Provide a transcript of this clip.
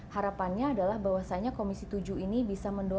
harapannya adalah bahwasanya komisi tujuh ini bisa mendorong hal ini